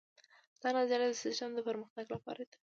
دا نظریې د سیسټم د پرمختګ لپاره دي.